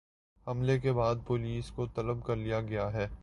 حملے کے بعد پولیس کو طلب کر لیا گیا ہے